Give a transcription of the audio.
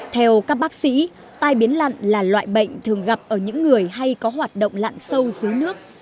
theo các bác sĩ tai biến lặn là loại bệnh thường gặp ở những người hay có hoạt động lặn sâu dưới nước